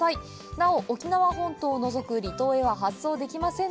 なお、沖縄本島を除く離島へは発送できません。